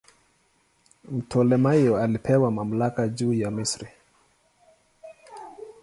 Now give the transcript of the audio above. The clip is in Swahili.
Ptolemaio alipewa mamlaka juu ya Misri.